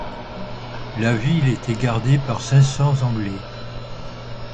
La ville était gardée par cinq cents Anglais.